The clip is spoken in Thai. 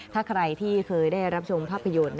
ถ้าใครที่เคยได้รับชมภาพยนตร์